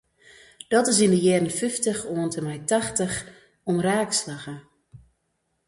Dat is yn de jierren fyftich oant en mei tachtich omraak slagge.